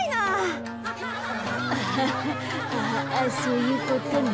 アハハアハそういうことね。